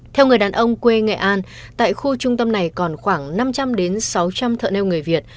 theo người đàn ông quê nghệ an tại khu trung tâm này còn khoảng năm trăm linh sáu trăm linh thợ neo người việt